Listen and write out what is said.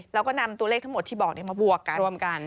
แล้วก็นำตัวเลขทั้งหมดที่บอกนี้มาบวกกัน